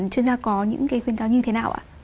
chuyên gia có những cái khuyến cáo như thế nào ạ